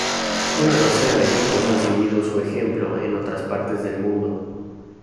Una docena de grupos han seguido su ejemplo en otras partes del mundo.